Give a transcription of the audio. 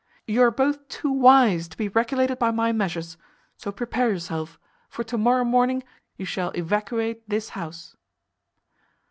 You are both too wise to be regulated by my measures; so prepare yourself, for to morrow morning you shall evacuate this house."